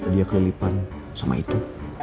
dia kelipan sama itu